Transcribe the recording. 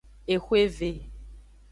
Exweve.